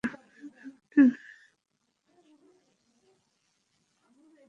তো আপনি ক্যাপ্টেন হুইটেকারকে চেনেন।